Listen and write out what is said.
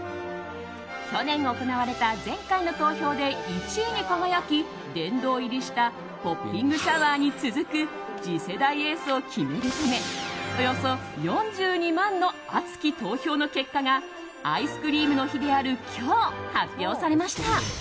去年行われた前回の投票で１位に輝き殿堂入りしたポッピングシャワーに続く次世代エースを決めるためおよそ４２万の熱き投票の結果がアイスクリームの日である今日、発表されました。